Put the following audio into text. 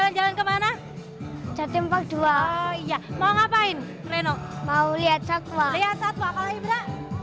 menjalan kemana jatim park dua mau ngapain reno mau lihat satwa lihat satwa kalau ibra